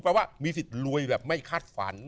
ว่ามีสิทธิ์รวยแบบไม่คาดฝัน